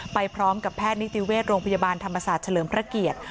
ไปพร้อมกับแพทย์นิติเวชโรงพยาบาลธรรมศาสตร์เฉลิมพระเกียรติ